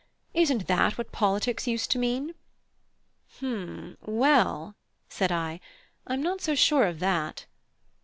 Isn't that what politics used to mean?" "H'm, well," said I, "I am not so sure of that."